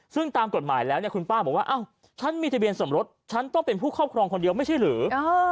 ซึ่งตามกฎหมายแล้วเนี่ยคุณป้าบอกว่าอ้าวฉันมีทะเบียนสมรสฉันต้องเป็นผู้ครอบครองคนเดียวไม่ใช่หรือ